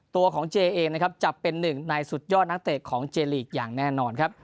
ตัวของเจเองนะครับจะเป็นหนึ่งในสุดยอดนักเตะของเจลีกอย่างแน่นอนครับ